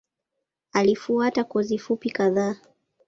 Alifuata kozi fupi kadhaa.